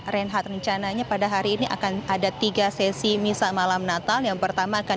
reinhardt rencananya pada hari ini akan ada tiga sesi misa malam natal yang pertama akan